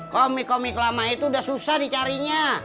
komik komik lama itu sudah susah dicarinya